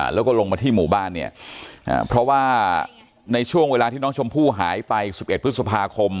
แล้วก็ลงมาที่หมู่บ้านเนี่ยเพราะว่าในช่วงเวลาที่น้องชมพู่หายไป๑๑พฤษภาคม